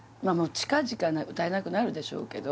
近々歌えなくなるでしょうけど